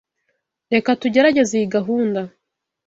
Reka tugerageze iyi gahunda.